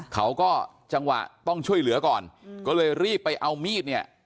เขาก็จังหวะต้องช่วยเหลือก่อนก็เลยรีบไปเอามีดเนี่ย